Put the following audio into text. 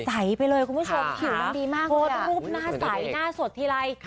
ใสไปเลยคุณผู้ชมภาพถูกรูปน่าใสหน้าสดทีไร